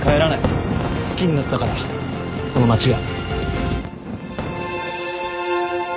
好きになったからこの街が。